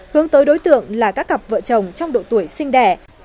hướng tới đối tượng là các cặp vợ chồng trong độ tuổi sinh đẻ